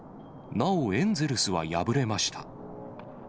なおエンゼルスは敗れました。